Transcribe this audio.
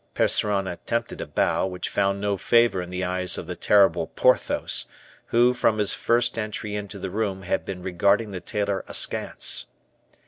Percerin attempted a bow, which found no favor in the eyes of the terrible Porthos, who, from his first entry into the room, had been regarding the tailor askance.